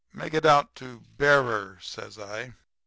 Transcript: "'Make it out to bearer,' says I.